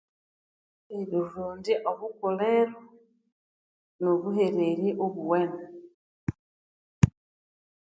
Erirondya obukuliro nobuhererya obuwene